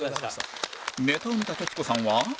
ネタを見た徹子さんは